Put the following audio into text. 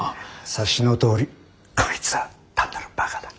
察しのとおりこいつは単なるバカだ。